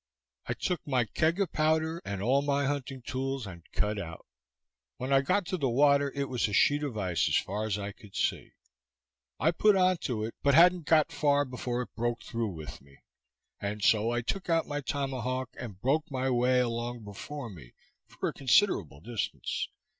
I took my keg of powder, and all my hunting tools, and cut out. When I got to the water, it was a sheet of ice as far as I could see. I put on to it, but hadn't got far before it broke through with me; and so I took out my tomahawk, and broke my way along before me for a considerable distance.